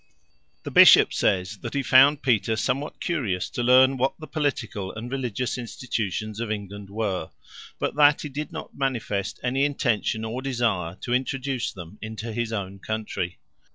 The bishop says that he found Peter somewhat curious to learn what the political and religious institutions of England were, but that he did not manifest any intention or desire to introduce them into his own country.